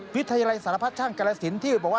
ไพรไรสารพัชชั่งกรรสินที่บอกว่า